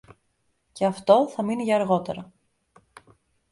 Και αυτό θα μείνει για αργότερα.